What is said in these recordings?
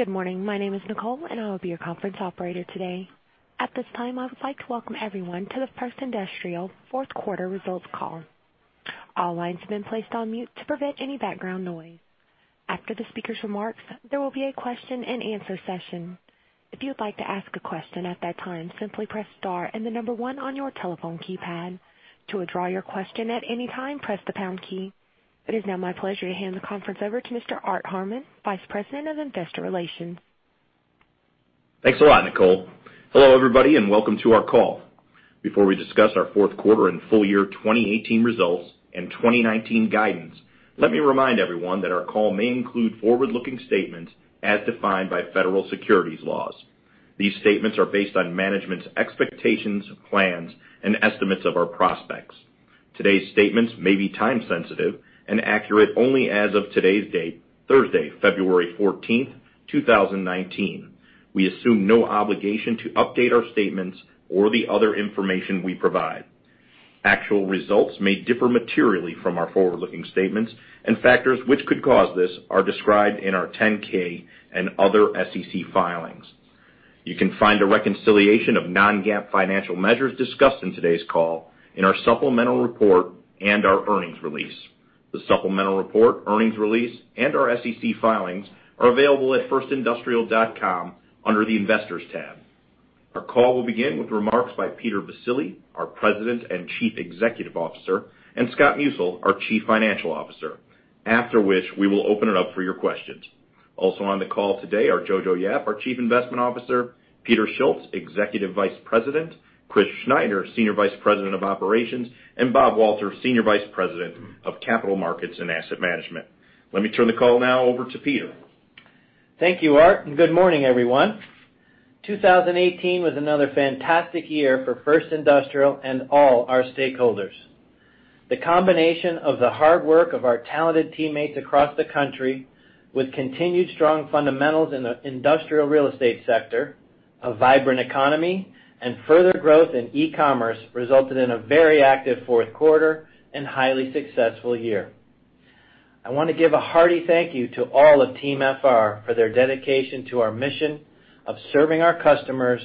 Good morning. My name is Nicole, and I will be your conference operator today. At this time, I would like to welcome everyone to the First Industrial fourth quarter results call. All lines have been placed on mute to prevent any background noise. After the speaker's remarks, there will be a question and answer session. If you'd like to ask a question at that time, simply press star and the number one on your telephone keypad. To withdraw your question at any time, press the pound key. It is now my pleasure to hand the conference over to Mr. Art Harmon, Vice President, Investor Relations. Thanks a lot, Nicole. Hello, everybody, welcome to our call. Before we discuss our fourth quarter and full year 2018 results and 2019 guidance, let me remind everyone that our call may include forward-looking statements as defined by federal securities laws. These statements are based on management's expectations, plans, and estimates of our prospects. Today's statements may be time-sensitive and accurate only as of today's date, Thursday, February 14th, 2019. We assume no obligation to update our statements or the other information we provide. Actual results may differ materially from our forward-looking statements, factors which could cause this are described in our 10-K and other SEC filings. You can find a reconciliation of non-GAAP financial measures discussed in today's call in our supplemental report and our earnings release. The supplemental report, earnings release, and our SEC filings are available at firstindustrial.com under the Investors tab. Our call will begin with remarks by Peter Baccile, our President and Chief Executive Officer, and Scott Musil, our Chief Financial Officer, after which we will open it up for your questions. Also on the call today are Johannson Yap, our Chief Investment Officer, Peter Schultz, Executive Vice President, Christopher Schneider, Senior Vice President of Operations, and Robert Walter, Senior Vice President of Capital Markets and Asset Management. Let me turn the call now over to Peter. Thank you, Art, good morning, everyone. 2018 was another fantastic year for First Industrial and all our stakeholders. The combination of the hard work of our talented teammates across the country, with continued strong fundamentals in the industrial real estate sector, a vibrant economy, and further growth in e-commerce, resulted in a very active fourth quarter and highly successful year. I want to give a hearty thank you to all of Team FR for their dedication to our mission of serving our customers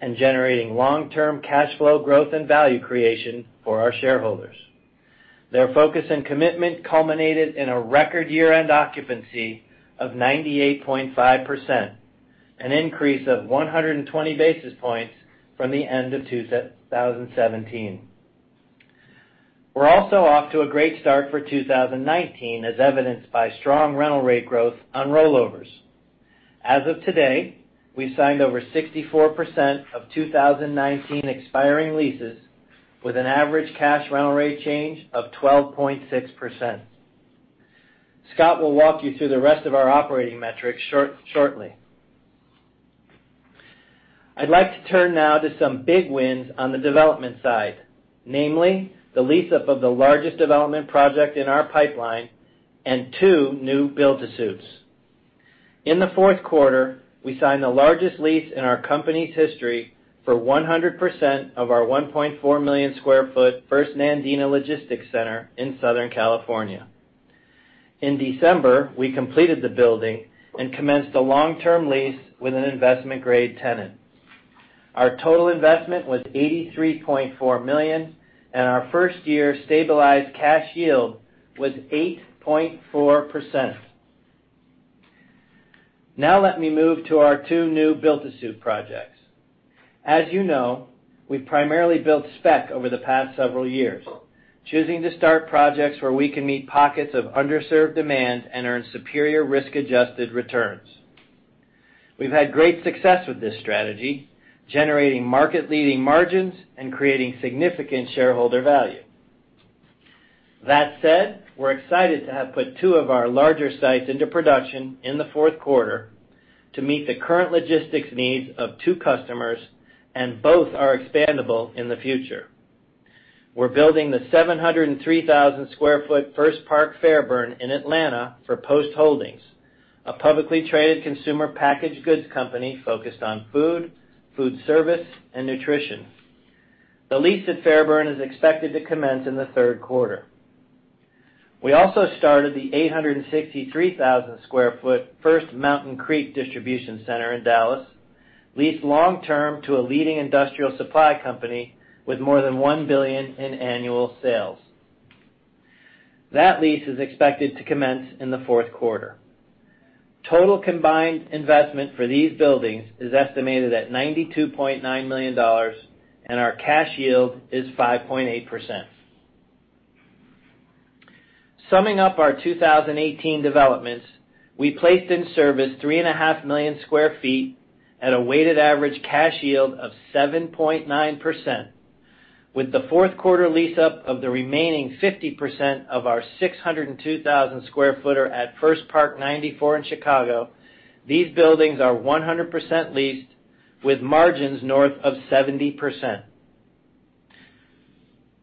and generating long-term cash flow growth and value creation for our shareholders. Their focus and commitment culminated in a record year-end occupancy of 98.5%, an increase of 120 basis points from the end of 2017. We're also off to a great start for 2019, as evidenced by strong rental rate growth on rollovers. As of today, we've signed over 64% of 2019 expiring leases with an average cash rental rate change of 12.6%. Scott will walk you through the rest of our operating metrics shortly. I'd like to turn to some big wins on the development side, namely the lease-up of the largest development project in our pipeline and two new build-to-suits. In the fourth quarter, we signed the largest lease in our company's history for 100% of our 1.4 million square foot First Nandina Logistics Center in Southern California. In December, we completed the building and commenced a long-term lease with an investment-grade tenant. Our total investment was $83.4 million, and our first-year stabilized cash yield was 8.4%. Let me move to our two new build-to-suit projects. As you know, we've primarily built spec over the past several years, choosing to start projects where we can meet pockets of underserved demand and earn superior risk-adjusted returns. We've had great success with this strategy, generating market-leading margins and creating significant shareholder value. That said, we're excited to have put two of our larger sites into production in the fourth quarter to meet the current logistics needs of two customers, and both are expandable in the future. We're building the 703,000 square foot First Park Fairburn in Atlanta for Post Holdings, a publicly traded consumer packaged goods company focused on food service, and nutrition. The lease at Fairburn is expected to commence in the third quarter. We also started the 863,000 square foot First Mountain Creek Distribution Center in Dallas, leased long term to a leading industrial supply company with more than $1 billion in annual sales. That lease is expected to commence in the fourth quarter. Total combined investment for these buildings is estimated at $92.9 million, and our cash yield is 5.8%. Summing up our 2018 developments, we placed in service three and a half million square feet at a weighted average cash yield of 7.9%. With the fourth quarter lease-up of the remaining 50% of our 602,000 square footer at First Park 94 in Chicago, these buildings are 100% leased with margins north of 70%.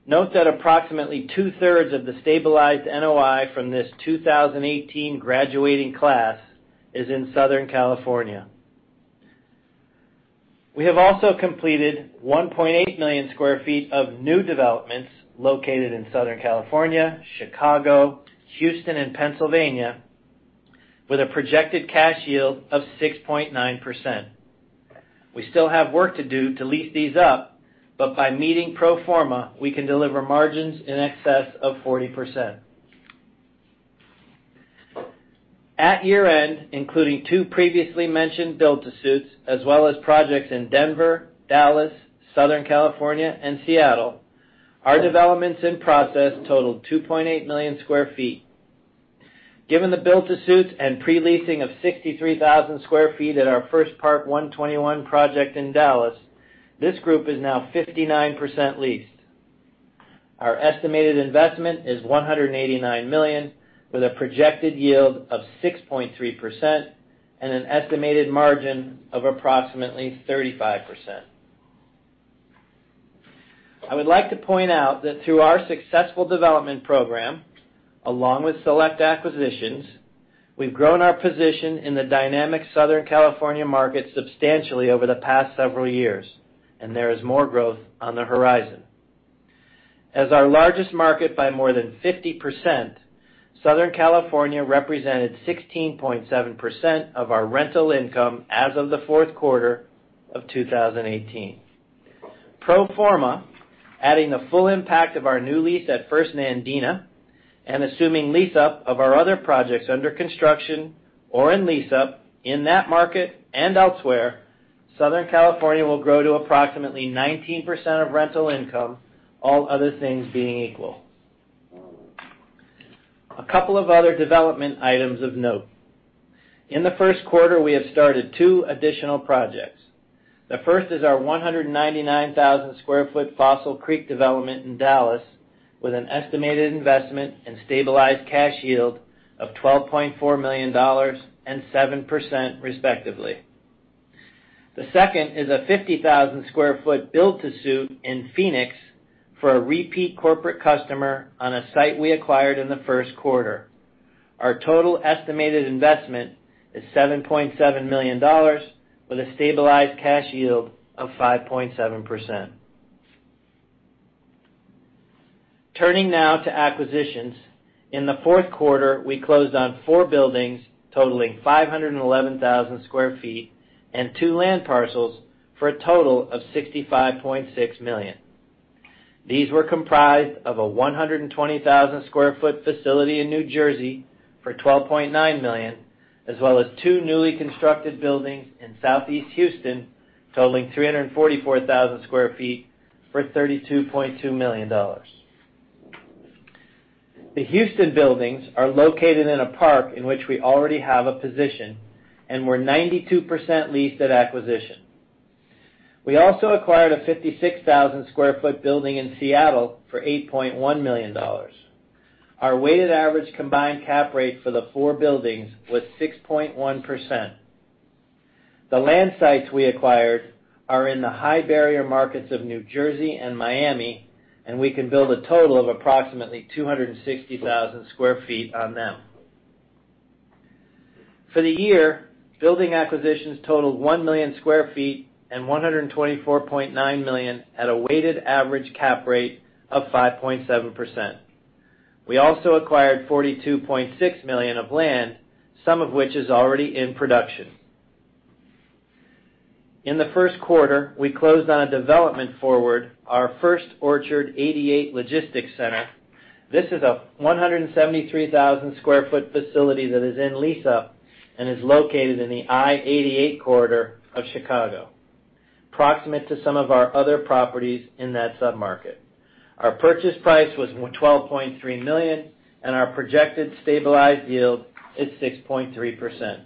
Note that approximately two-thirds of the stabilized NOI from this 2018 graduating class is in Southern California. We have also completed 1.8 million square feet of new developments located in Southern California, Chicago, Houston, and Pennsylvania, with a projected cash yield of 6.9%. We still have work to do to lease these up, but by meeting pro forma, we can deliver margins in excess of 40%. At year-end, including two previously mentioned build-to-suits, as well as projects in Denver, Dallas, Southern California, and Seattle, our developments in process totaled 2.8 million square feet. Given the build-to-suits and pre-leasing of 63,000 square feet at our First Park 121 project in Dallas, this group is now 59% leased. Our estimated investment is $189 million, with a projected yield of 6.3% and an estimated margin of approximately 35%. I would like to point out that through our successful development program, along with select acquisitions, we've grown our position in the dynamic Southern California market substantially over the past several years, and there is more growth on the horizon. As our largest market by more than 50%, Southern California represented 16.7% of our rental income as of the fourth quarter of 2018. Pro forma, adding the full impact of our new lease at First Nandina and assuming lease-up of our other projects under construction or in lease-up in that market and elsewhere, Southern California will grow to approximately 19% of rental income, all other things being equal. A couple of other development items of note. In the first quarter, we have started two additional projects. The first is our 199,000 sq ft Fossil Creek development in Dallas, with an estimated investment and stabilized cash yield of $12.4 million and 7%, respectively. The second is a 50,000 sq ft build-to-suit in Phoenix for a repeat corporate customer on a site we acquired in the first quarter. Our total estimated investment is $7.7 million, with a stabilized cash yield of 5.7%. Turning now to acquisitions. In the fourth quarter, we closed on four buildings totaling 511,000 sq ft and two land parcels for a total of $65.6 million. These were comprised of a 120,000 sq ft facility in New Jersey for $12.9 million, as well as two newly constructed buildings in Southeast Houston, totaling 344,000 sq ft for $32.2 million. The Houston buildings are located in a park in which we already have a position and were 92% leased at acquisition. We also acquired a 56,000 sq ft building in Seattle for $8.1 million. Our weighted average combined cap rate for the four buildings was 6.1%. The land sites we acquired are in the high barrier markets of New Jersey and Miami, and we can build a total of approximately 260,000 sq ft on them. For the year, building acquisitions totaled 1 million sq ft and $124.9 million at a weighted average cap rate of 5.7%. We also acquired $42.6 million of land, some of which is already in production. In the first quarter, we closed on a development forward, our First Orchard 88 Logistics Center. This is a 173,000 sq ft facility that is in lease-up and is located in the I-88 corridor of Chicago, proximate to some of our other properties in that sub-market. Our purchase price was $12.3 million and our projected stabilized yield is 6.3%.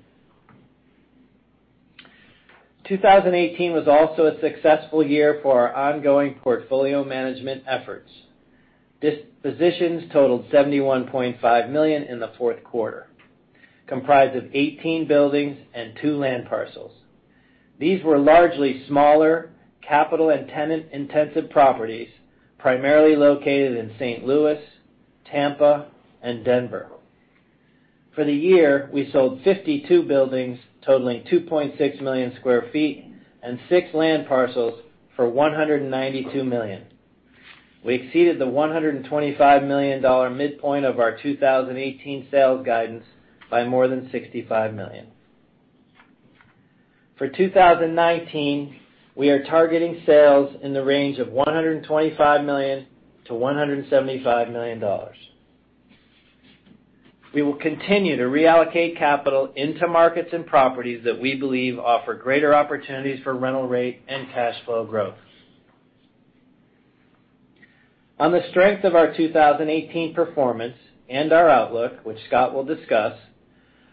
2018 was also a successful year for our ongoing portfolio management efforts. Dispositions totaled $71.5 million in the fourth quarter, comprised of 18 buildings and two land parcels. These were largely smaller capital and tenant-intensive properties, primarily located in St. Louis, Tampa, and Denver. For the year, we sold 52 buildings totaling 2.6 million sq ft and six land parcels for $192 million. We exceeded the $125 million midpoint of our 2018 sales guidance by more than $65 million. For 2019, we are targeting sales in the range of $125 million-$175 million. We will continue to reallocate capital into markets and properties that we believe offer greater opportunities for rental rate and cash flow growth. On the strength of our 2018 performance and our outlook, which Scott will discuss,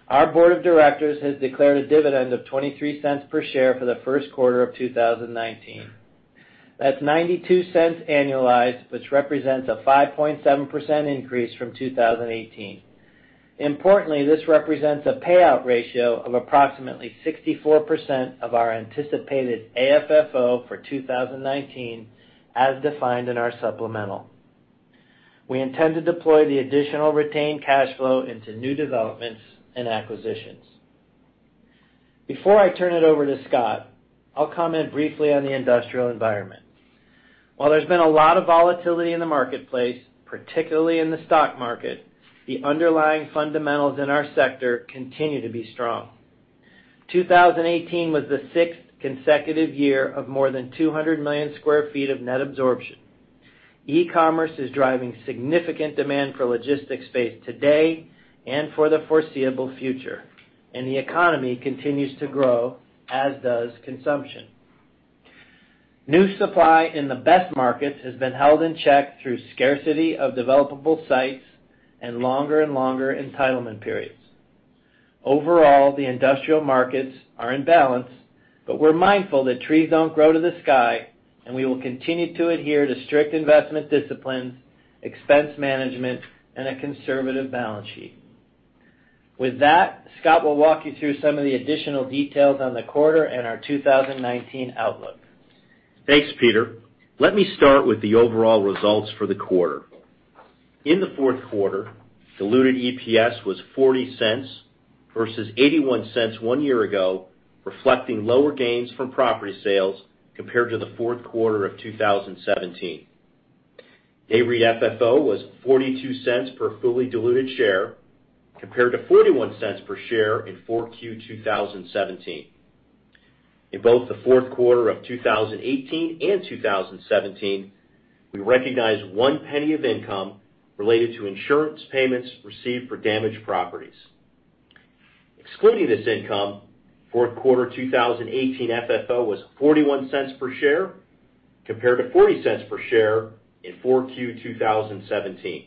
our board of directors has declared a dividend of $0.23 per share for the first quarter of 2019. That's $0.92 annualized, which represents a 5.7% increase from 2018. Importantly, this represents a payout ratio of approximately 64% of our anticipated AFFO for 2019 as defined in our supplemental. We intend to deploy the additional retained cash flow into new developments and acquisitions. Before I turn it over to Scott, I'll comment briefly on the industrial environment. While there's been a lot of volatility in the marketplace, particularly in the stock market, the underlying fundamentals in our sector continue to be strong. 2018 was the sixth consecutive year of more than 200 million square feet of net absorption. E-commerce is driving significant demand for logistics space today and for the foreseeable future, and the economy continues to grow, as does consumption. New supply in the best markets has been held in check through scarcity of developable sites and longer and longer entitlement periods. Overall, the industrial markets are in balance. We're mindful that trees don't grow to the sky, and we will continue to adhere to strict investment disciplines, expense management, and a conservative balance sheet. With that, Scott will walk you through some of the additional details on the quarter and our 2019 outlook. Thanks, Peter. Let me start with the overall results for the quarter. In the fourth quarter, diluted EPS was $0.40 versus $0.81 one year ago, reflecting lower gains from property sales compared to the fourth quarter of 2017. NAREIT FFO was $0.42 per fully diluted share, compared to $0.41 per share in 4Q 2017. In both the fourth quarter of 2018 and 2017, we recognized one penny of income related to insurance payments received for damaged properties. Excluding this income, fourth quarter 2018 FFO was $0.41 per share, compared to $0.40 per share in 4Q 2017.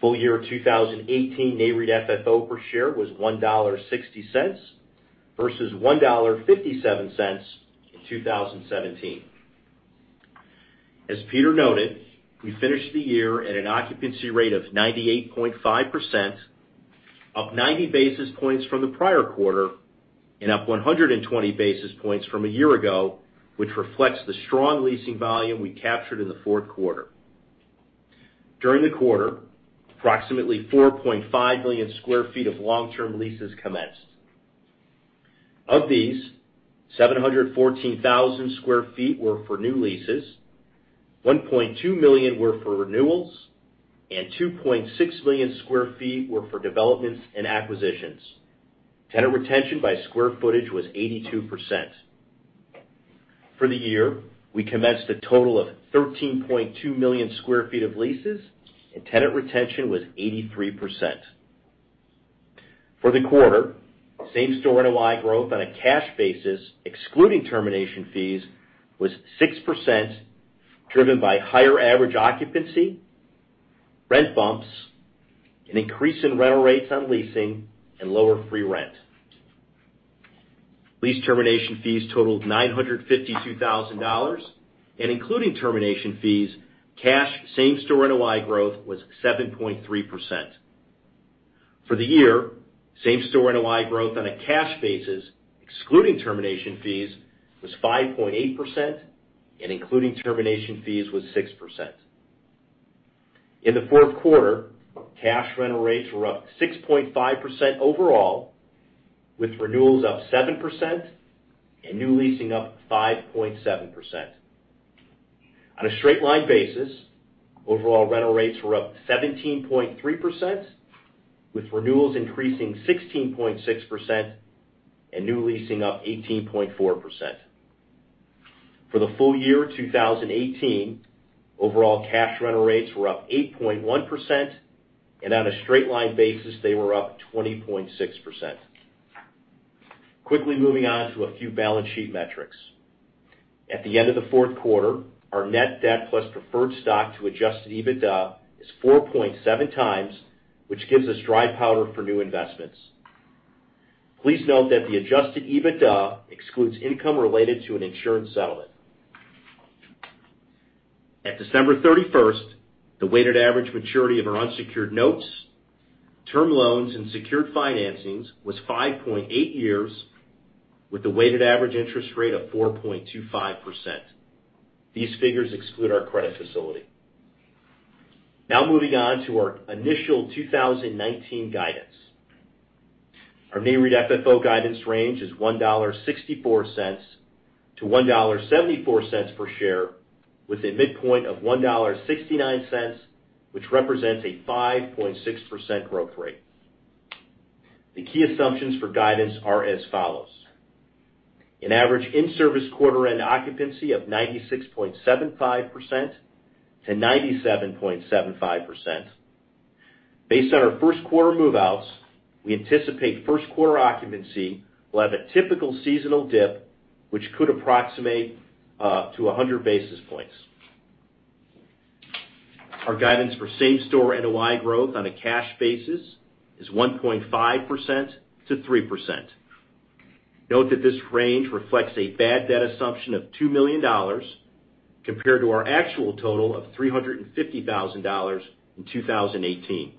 Full year 2018 NAREIT FFO per share was $1.60 versus $1.57 in 2017. As Peter noted, we finished the year at an occupancy rate of 98.5%, up 90 basis points from the prior quarter, and up 120 basis points from one year ago, which reflects the strong leasing volume we captured in the fourth quarter. During the quarter, approximately 4.5 million square feet of long-term leases commenced. Of these, 714,000 square feet were for new leases, 1.2 million were for renewals, and 2.6 million square feet were for developments and acquisitions. Tenant retention by square footage was 82%. For the year, we commenced a total of 13.2 million square feet of leases, and tenant retention was 83%. For the quarter, Same-Store NOI growth on a cash basis, excluding termination fees, was 6%, driven by higher average occupancy, rent bumps, an increase in rental rates on leasing, and lower free rent. Lease termination fees totaled $952,000. Including termination fees, cash same-store NOI growth was 7.3%. For the year, same-store NOI growth on a cash basis, excluding termination fees, was 5.8%. Including termination fees, was 6%. In the fourth quarter, cash rental rates were up 6.5% overall, with renewals up 7% and new leasing up 5.7%. On a straight-line basis, overall rental rates were up 17.3%, with renewals increasing 16.6% and new leasing up 18.4%. For the full year 2018, overall cash rental rates were up 8.1%. On a straight-line basis, they were up 20.6%. Quickly moving on to a few balance sheet metrics. At the end of the fourth quarter, our net debt plus preferred stock to adjusted EBITDA is 4.7 times, which gives us dry powder for new investments. Please note that the adjusted EBITDA excludes income related to an insurance settlement. At December 31st, the weighted average maturity of our unsecured notes, term loans and secured financings was 5.8 years, with a weighted average interest rate of 4.25%. These figures exclude our credit facility. Moving on to our initial 2019 guidance. Our NAREIT FFO guidance range is $1.64-$1.74 per share, with a midpoint of $1.69, which represents a 5.6% growth rate. The key assumptions for guidance are as follows. An average in-service quarter end occupancy of 96.75%-97.75%. Based on our first quarter move-outs, we anticipate first quarter occupancy will have a typical seasonal dip, which could approximate to 100 basis points. Our guidance for same-store NOI growth on a cash basis is 1.5%-3%. Note that this range reflects a bad debt assumption of $2 million compared to our actual total of $350,000 in 2018.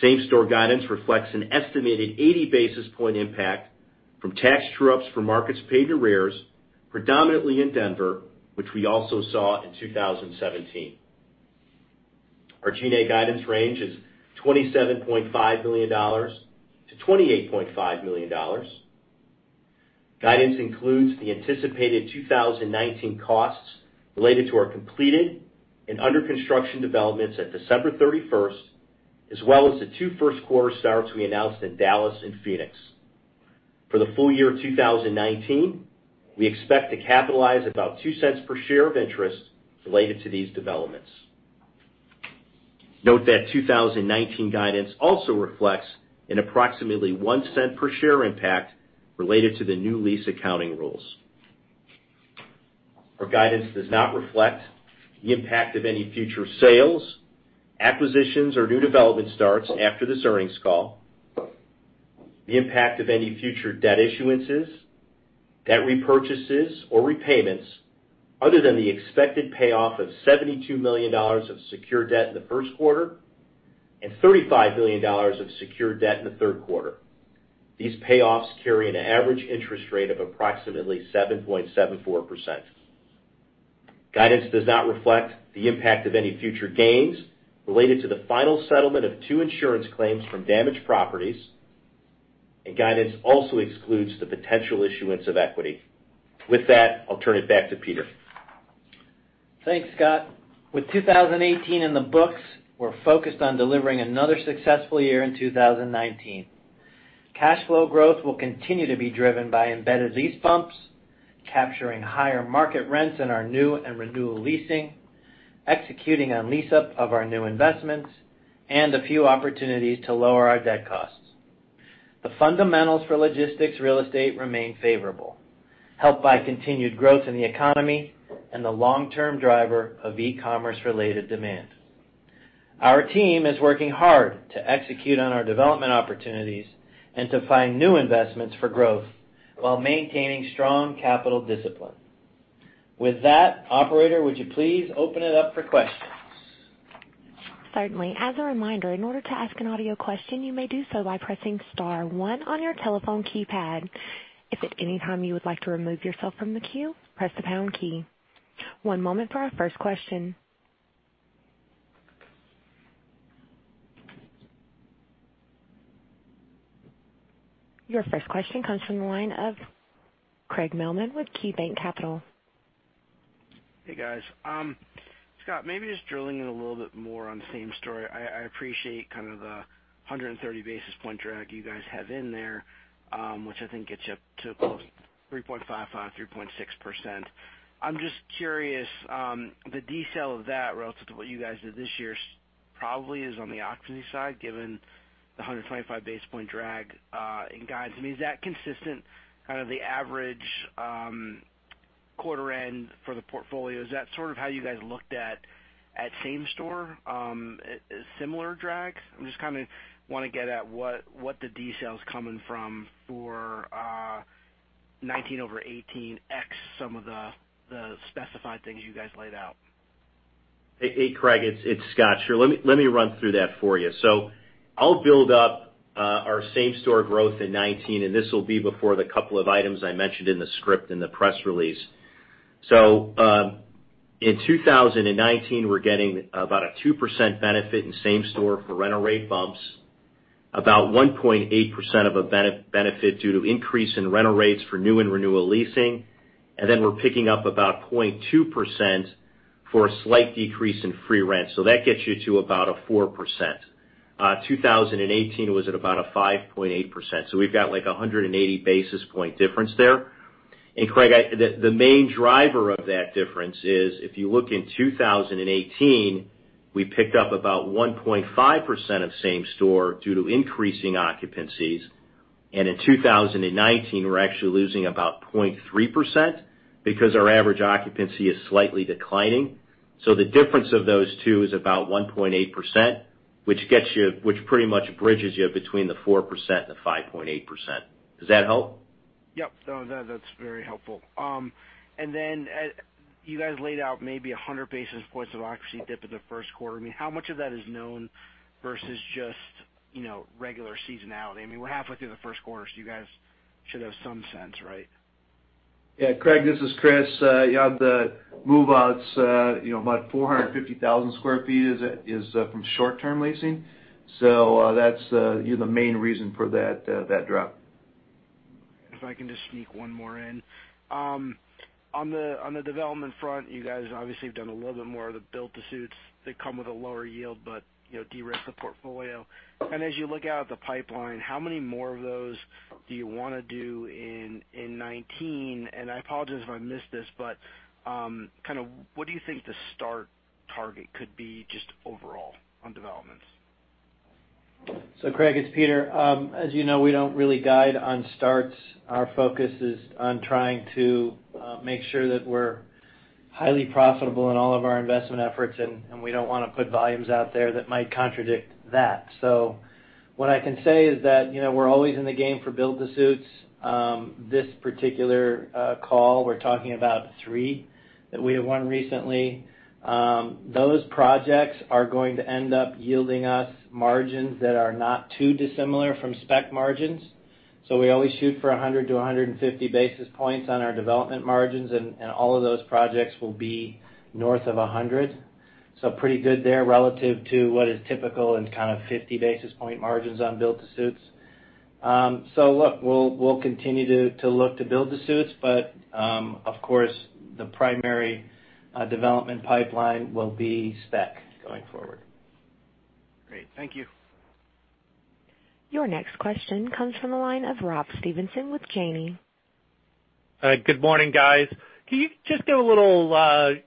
Same-store guidance reflects an estimated 80 basis point impact from tax true-ups for markets paid in arrears, predominantly in Denver, which we also saw in 2017. Our G&A guidance range is $27.5 million-$28.5 million. Guidance includes the anticipated 2019 costs related to our completed and under-construction developments at December 31st, as well as the two first-quarter starts we announced in Dallas and Phoenix. For the full year 2019, we expect to capitalize about $0.02 per share of interest related to these developments. Note that 2019 guidance also reflects an approximately $0.01 per share impact related to the new lease accounting rules. Our guidance does not reflect the impact of any future sales, acquisitions, or new development starts after this earnings call, the impact of any future debt issuances, debt repurchases, or repayments other than the expected payoff of $72 million of secured debt in the first quarter and $35 million of secured debt in the third quarter. These payoffs carry an average interest rate of approximately 7.74%. Guidance does not reflect the impact of any future gains related to the final settlement of two insurance claims from damaged properties. Guidance also excludes the potential issuance of equity. I'll turn it back to Peter. Thanks, Scott. With 2018 in the books, we're focused on delivering another successful year in 2019. Cash flow growth will continue to be driven by embedded lease bumps, capturing higher market rents in our new and renewal leasing, executing on lease-up of our new investments, and a few opportunities to lower our debt costs. The fundamentals for logistics real estate remain favorable, helped by continued growth in the economy and the long-term driver of e-commerce related demand. Our team is working hard to execute on our development opportunities and to find new investments for growth while maintaining strong capital discipline. With that, operator, would you please open it up for questions? Certainly. As a reminder, in order to ask an audio question, you may do so by pressing star one on your telephone keypad. If at any time you would like to remove yourself from the queue, press the pound key. One moment for our first question. Your first question comes from the line of Craig Mailman with KeyBanc Capital. Hey, guys. Scott, maybe just drilling in a little bit more on the same-store. I appreciate kind of the 130 basis points drag you guys have in there, which I think gets you up to close to 3.55%, 3.6%. I'm just curious, the decel of that relative to what you guys did this year probably is on the occupancy side, given the 125 basis points drag in guidance. I mean, is that consistent, kind of the average quarter end for the portfolio? Is that sort of how you guys looked at same-store, similar drags? I'm just kind of want to get at what the detail is coming from for 2019 over 2018, x some of the specified things you guys laid out. Hey, Craig. It's Scott, sure. Let me run through that for you. I'll build up our same-store growth in 2019, and this will be before the couple of items I mentioned in the script in the press release. In 2019, we're getting about a 2% benefit in same-store for rental rate bumps, about 1.8% of a benefit due to increase in rental rates for new and renewal leasing. Then we're picking up about 0.2% for a slight decrease in free rent. That gets you to about a 4%. 2018 was at about a 5.8%, so we've got like a 180 basis points difference there. Craig, the main driver of that difference is if you look in 2018, we picked up about 1.5% of same-store due to increasing occupancies. In 2019, we're actually losing about 0.3% because our average occupancy is slightly declining. The difference of those two is about 1.8%, which pretty much bridges you between the 4% and the 5.8%. Does that help? Yep, no. That's very helpful. You guys laid out maybe 100 basis points of occupancy dip in the first quarter. I mean, how much of that is known versus just regular seasonality? I mean, we're halfway through the first quarter, you guys should have some sense, right? Yeah. Craig, this is Chris. The move-outs, about 450,000 sq ft is from short-term leasing. That's the main reason for that drop. If I can just sneak one more in. On the development front, you guys obviously have done a little bit more of the build-to-suit that come with a lower yield but de-risk the portfolio. As you look out at the pipeline, how many more of those do you want to do in 2019? I apologize if I missed this, but kind of what do you think the start target could be just overall on developments? Craig, it's Peter. As you know, we don't really guide on starts. Our focus is on trying to make sure that we're highly profitable in all of our investment efforts, and we don't want to put volumes out there that might contradict that. What I can say is that we're always in the game for build-to-suits. This particular call, we're talking about three that we have won recently. Those projects are going to end up yielding us margins that are not too dissimilar from spec margins. We always shoot for 100 to 150 basis points on our development margins, and all of those projects will be north of 100. Pretty good there relative to what is typical in kind of 50 basis point margins on build-to-suits. Look, we'll continue to look to build-to-suits, but of course, the primary development pipeline will be spec going forward. Great. Thank you. Your next question comes from the line of Robert Stevenson with Janney. Hi. Good morning, guys. Can you just give a little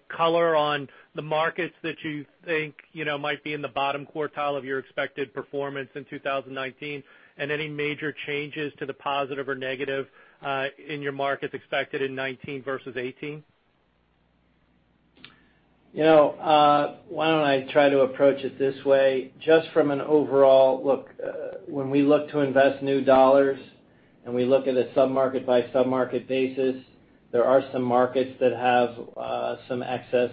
color on the markets that you think might be in the bottom quartile of your expected performance in 2019, and any major changes to the positive or negative, in your markets expected in 2019 versus 2018? Why don't I try to approach it this way? Just from an overall look, when we look to invest new dollars and we look at a sub-market by sub-market basis, there are some markets that have some excess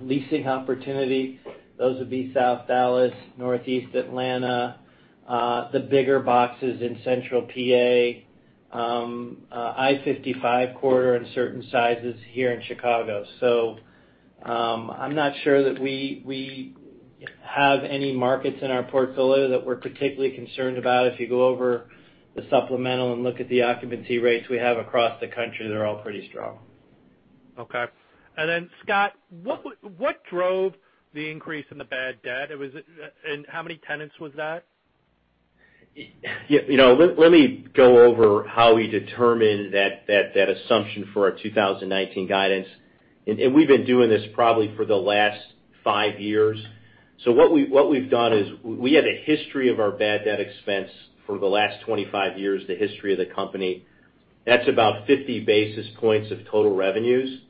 leasing opportunity. Those would be South Dallas, Northeast Atlanta, the bigger boxes in Central P.A., I-55 corridor in certain sizes here in Chicago. I'm not sure that we have any markets in our portfolio that we're particularly concerned about. If you go over the supplemental and look at the occupancy rates we have across the country, they're all pretty strong. Okay. Scott, what drove the increase in the bad debt? How many tenants was that? Let me go over how we determine that assumption for our 2019 guidance. We've been doing this probably for the last five years. What we've done is we had a history of our bad debt expense for the last 25 years, the history of the company. That's about 50 basis points of total revenues.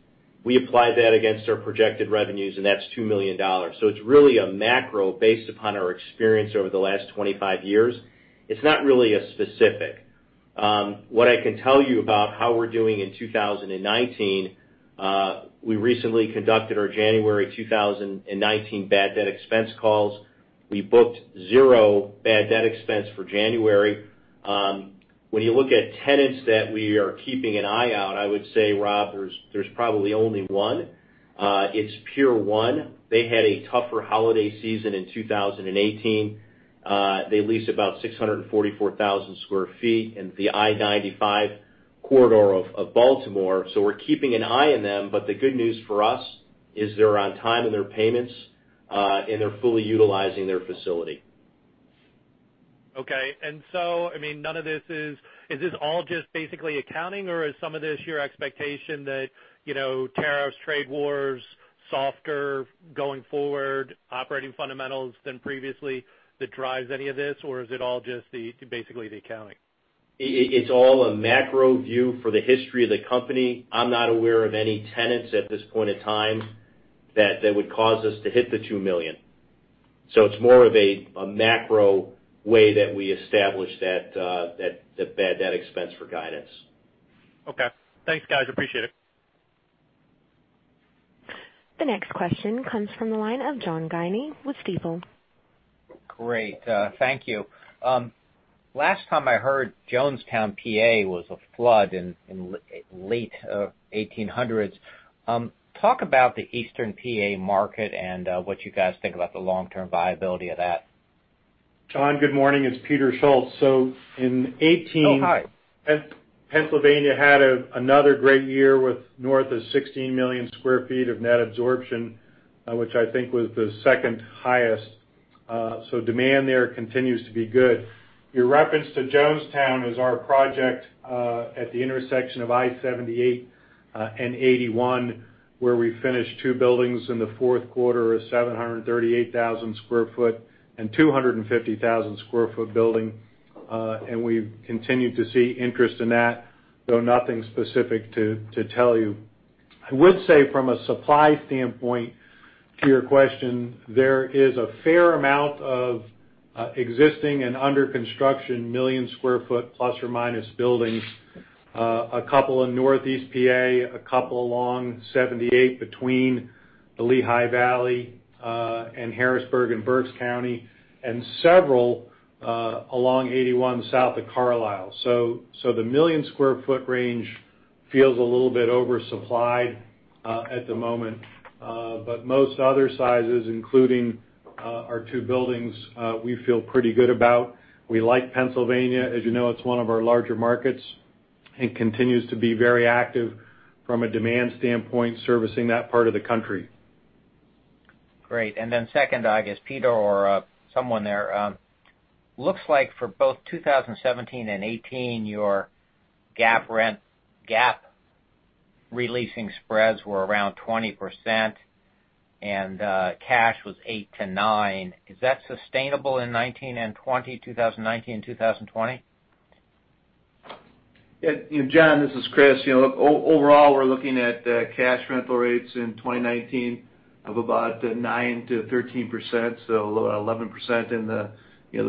We apply that against our projected revenues, and that's $2 million. It's really a macro based upon our experience over the last 25 years. It's not really a specific. What I can tell you about how we're doing in 2019, we recently conducted our January 2019 bad debt expense calls. We booked zero bad debt expense for January. When you look at tenants that we are keeping an eye out, I would say, Rob, there's probably only one. It's Pier 1. They had a tougher holiday season in 2018. They lease about 644,000 square feet in the I-95 corridor of Baltimore. We're keeping an eye on them, but the good news for us is they're on time in their payments, and they're fully utilizing their facility. Okay. I mean, is this all just basically accounting, or is some of this your expectation that tariffs, trade wars, softer going forward, operating fundamentals than previously that drives any of this? Is it all just basically the accounting? It's all a macro view for the history of the company. I'm not aware of any tenants at this point in time that would cause us to hit the $2 million. It's more of a macro way that we establish that bad debt expense for guidance. Okay. Thanks, guys, appreciate it. The next question comes from the line of John Guinee with Stifel. Great. Thank you. Last time I heard Jonestown, PA. was a flood in late 1800s. Talk about the Eastern P.A. market and what you guys think about the long-term viability of that. John, good morning. It's Peter Schultz. Oh, hi Pennsylvania had another great year with north of 16 million sq ft of net absorption, which I think was the second highest. Demand there continues to be good. Your reference to Jonestown is our project, at the intersection of I-78 and 81, where we finished two buildings in the fourth quarter, a 738,000 sq ft and 250,000 sq ft building. We've continued to see interest in that, though nothing specific to tell you. I would say from a supply standpoint to your question, there is a fair amount of existing and under-construction million sq ft plus or minus buildings. A couple in Northeast PA, a couple along 78 between the Lehigh Valley, and Harrisburg and Berks County, and several along 81 south of Carlisle. The million sq ft range feels a little bit oversupplied at the moment. Most other sizes, including our two buildings, we feel pretty good about. We like Pennsylvania. As you know, it's one of our larger markets and continues to be very active from a demand standpoint, servicing that part of the country. Great. Second, I guess, Peter or someone there. Looks like for both 2017 and 2018, your GAAP re-leasing spreads were around 20% and cash was 8%-9%. Is that sustainable in 2019 and 2020? John, this is Chris. Overall, we're looking at cash rental rates in 2019 of about 9%-13%, so 11% in the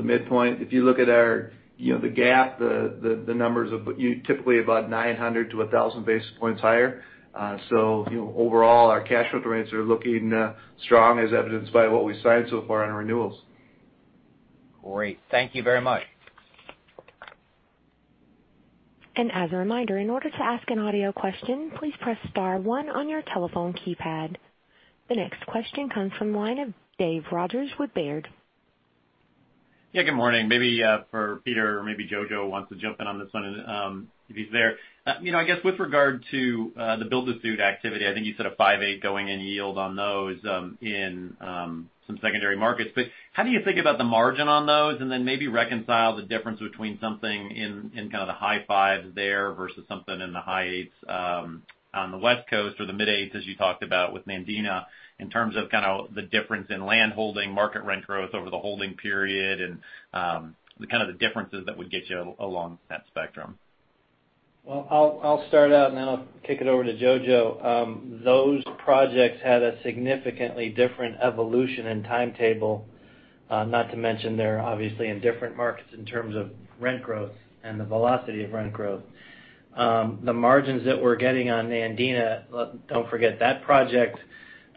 midpoint. If you look at the GAAP, the numbers are typically about 900 to 1,000 basis points higher. Overall, our cash rental rates are looking strong, as evidenced by what we signed so far on renewals. Great. Thank you very much. As a reminder, in order to ask an audio question, please press star one on your telephone keypad. The next question comes from the line of David Rogers with Baird. Yeah, good morning. Maybe for Peter, or maybe Jojo wants to jump in on this one if he's there. I guess with regard to the build-to-suit activity, I think you said a 5.8% going-in yield on those in some secondary markets. How do you think about the margin on those? Then maybe reconcile the difference between something in kind of the high fives there versus something in the high eights on the West Coast or the mid eights, as you talked about with Nandina, in terms of kind of the difference in land holding, market rent growth over the holding period, and the kind of the differences that would get you along that spectrum. Well, I'll start out, then I'll kick it over to Jojo. Those projects had a significantly different evolution and timetable. Not to mention they're obviously in different markets in terms of rent growth and the velocity of rent growth. The margins that we're getting on Nandina, don't forget that project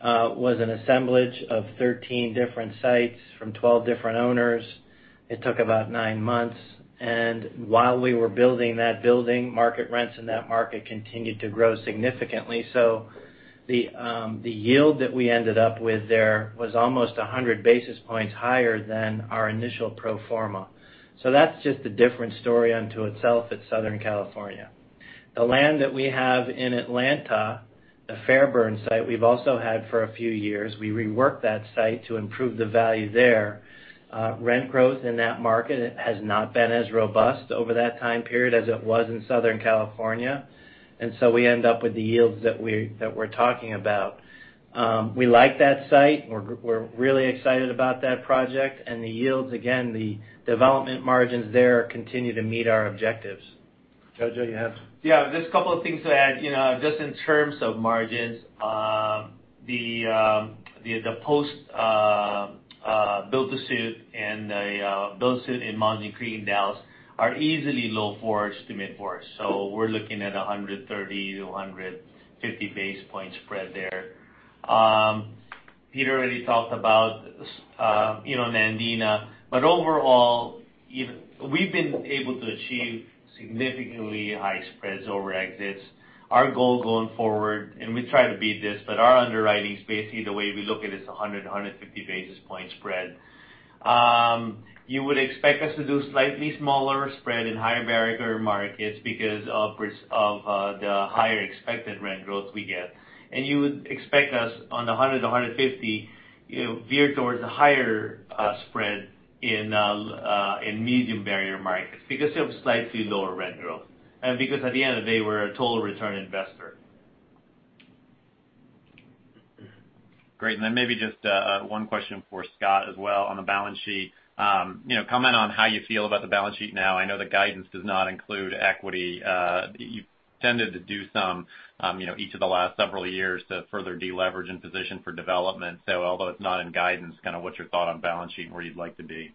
was an assemblage of 13 different sites from 12 different owners. It took about nine months, and while we were building that building, market rents in that market continued to grow significantly. The yield that we ended up with there was almost 100 basis points higher than our initial pro forma. That's just a different story unto itself at Southern California. The land that we have in Atlanta, the Fairburn site, we've also had for a few years. We reworked that site to improve the value there. Rent growth in that market has not been as robust over that time period as it was in Southern California. So we end up with the yields that we're talking about. We like that site. We're really excited about that project, and the yields, again, the development margins there continue to meet our objectives. Jojo, you have. Yeah, just a couple of things to add. Just in terms of margins, the post build-to-suit and the build-to-suit in Mountain Creek in Dallas are easily low fours to mid fours. So we're looking at 130 to 150-basis-point spread there. Peter already talked about Nandina. Overall, we've been able to achieve significantly high spreads over exits. Our goal going forward, and we try to beat this, our underwriting is basically the way we look at is 100-150-basis-point spread. You would expect us to do slightly smaller spread in higher barrier markets because of the higher expected rent growth we get. You would expect us on the 100 to 150, veer towards the higher spread in medium barrier markets because you have slightly lower rent growth. Because at the end of the day, we're a total return investor. Great. Then maybe just one question for Scott as well on the balance sheet. Comment on how you feel about the balance sheet now. I know the guidance does not include equity. You've tended to do some, each of the last several years to further deleverage and position for development. Although it's not in guidance, kind of what's your thought on balance sheet and where you'd like to be?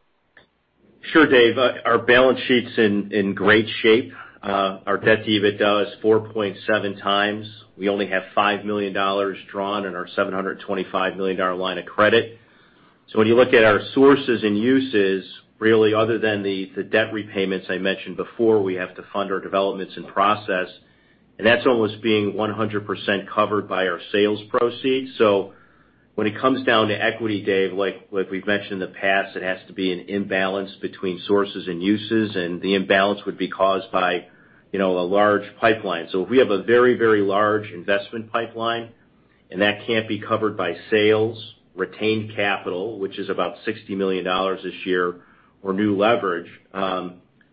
Sure, Dave. Our balance sheet's in great shape. Our debt to EBITDA is 4.7 times. We only have $5 million drawn in our $725 million line of credit. When you look at our sources and uses, really other than the debt repayments I mentioned before, we have to fund our developments in process. That's almost being 100% covered by our sales proceeds. When it comes down to equity, Dave, like we've mentioned in the past, it has to be an imbalance between sources and uses, and the imbalance would be caused by a large pipeline. If we have a very large investment pipeline and that can't be covered by sales, retained capital, which is about $60 million this year, or new leverage,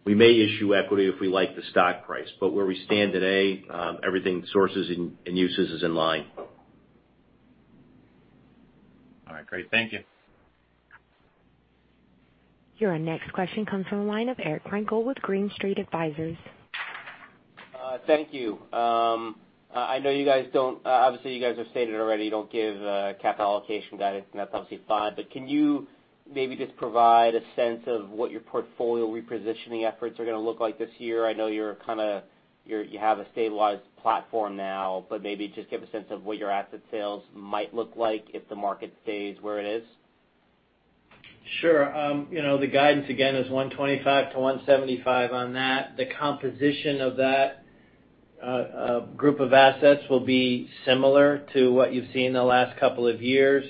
we may issue equity if we like the stock price. Where we stand today, everything sources and uses is in line. All right, great. Thank you. Your next question comes from the line of Eric Frankel with Green Street Advisors. Thank you. I know you guys don't Obviously, you guys have stated already you don't give capital allocation guidance, and that's obviously fine. Can you maybe just provide a sense of what your portfolio repositioning efforts are going to look like this year? I know you have a stabilized platform now, but maybe just give a sense of what your asset sales might look like if the market stays where it is. Sure. The guidance again is $125 million-$175 million on that. The composition of that group of assets will be similar to what you've seen in the last couple of years.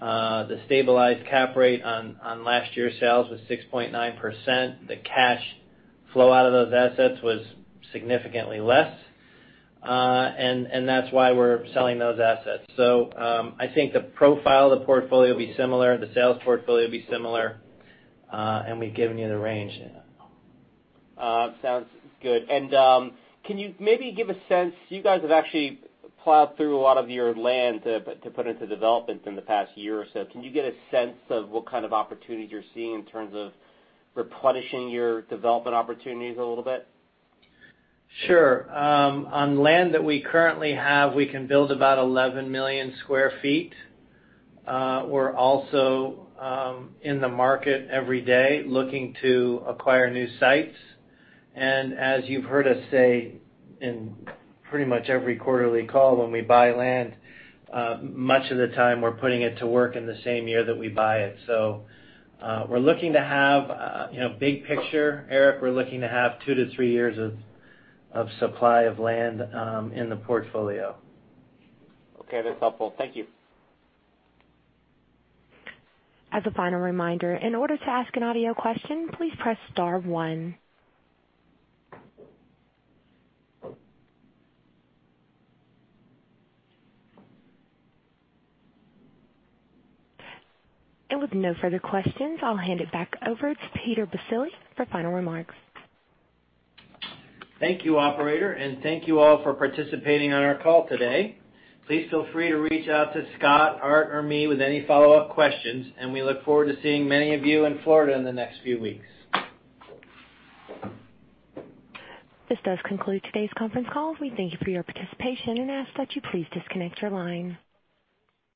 The stabilized capitalization rate on last year's sales was 6.9%. The cash flow out of those assets was significantly less. That's why we're selling those assets. I think the profile of the portfolio will be similar, the sales portfolio will be similar, and we've given you the range. Sounds good. Can you maybe give a sense, you guys have actually plowed through a lot of your land to put into development in the past year or so. Can you get a sense of what kind of opportunities you're seeing in terms of replenishing your development opportunities a little bit? Sure. On land that we currently have, we can build about 11 million sq ft. We're also in the market every day looking to acquire new sites. As you've heard us say in pretty much every quarterly call, when we buy land, much of the time we're putting it to work in the same year that we buy it. We're looking to have, big picture, Eric, we're looking to have 2 to 3 years of supply of land in the portfolio. Okay, that's helpful. Thank you. As a final reminder, in order to ask an audio question, please press star one. With no further questions, I'll hand it back over to Peter Baccile for final remarks. Thank you, operator, and thank you all for participating on our call today. Please feel free to reach out to Scott, Art, or me with any follow-up questions, and we look forward to seeing many of you in Florida in the next few weeks. This does conclude today's conference call. We thank you for your participation and ask that you please disconnect your line.